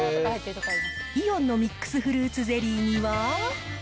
イオンのミックスフルーツゼリーには。